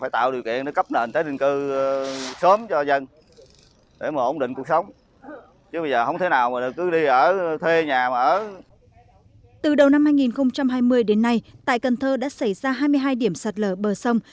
từ đầu năm hai nghìn hai mươi đến nay tại cần thơ đã xảy ra hai mươi hai điểm sạt lở bờ sông